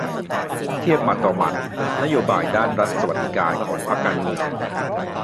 เทียบหมัดต่อหมัด นโยบายด้าน 'รัฐสวัสดิการ' ของพรรคการเมือง